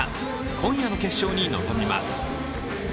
今夜の決勝に臨みます。